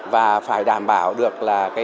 và phải đảm bảo được